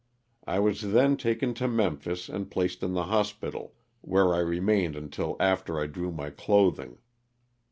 I was then taken to Memphis and placed in the hospital, where I remained until after I drew my clothing.